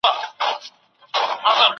څه شی د کلتوري توپیرونو درناوی کوي؟